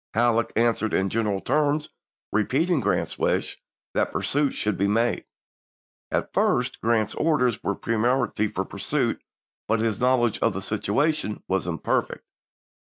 Halleck an swered in general terms repeating Grant's wish that pursuit should be made. At first Grant's orders were peremptory for pursuit, but his knowledge of the situation was imperfect.